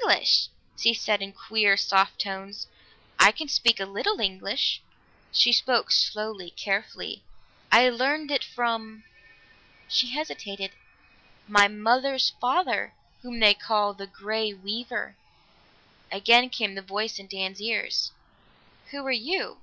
"English!" she said in queer soft tones. "I can speak a little English." She spoke slowly, carefully. "I learned it from" she hesitated "my mother's father, whom they call the Grey Weaver." Again came the voice in Dan's ears. "Who are you?"